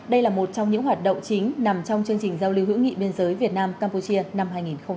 đây là một trong những hoạt động chính nằm trong chương trình giao lưu hữu nghị biên giới việt nam campuchia năm hai nghìn một mươi chín